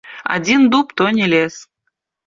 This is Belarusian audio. Адзін дуб то не лес.